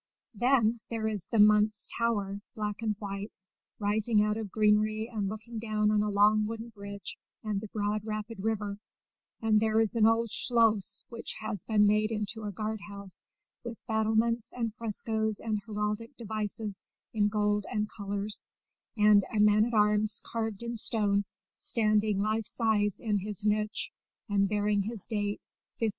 Then there is the Muntze Tower, black and white, rising out of greenery and looking down on a long wooden bridge and the broad rapid river; and there is an old schloss which has been made into a guard house, with battlements and frescoes and heraldic devices in gold and colours, and a man at arms carved in stone standing life size in his niche and bearing his date 1530.